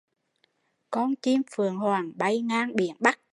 Con chim phượng hoàng bay ngang biển Bắc